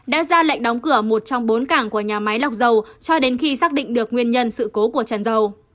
đã ra lệnh đóng cửa một trong bốn cảng của nhà máy lọc dầu cho đến khi xác định được nguyên nhân sự cố của trần dầu